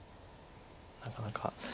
なかなか。